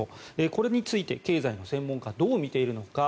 これについて、経済の専門家はどう見ているのか。